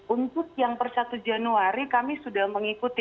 untuk yang per satu januari kami sudah mengikuti